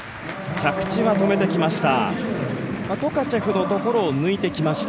着地は止めてきました。